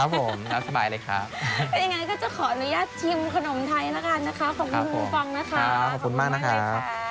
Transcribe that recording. ครับผมน่าสบายเลยค่ะอย่างนั้นก็จะขออนุญาตชิมขนมไทยนะคะขอบคุณคุณฟังนะคะขอบคุณมากนะคะ